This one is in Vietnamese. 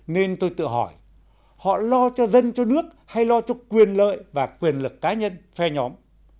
nên tôi tự hỏi họ lo cho dân cho nước hay lo cho quyền lợi và quyền lực cá nhân phe nhóm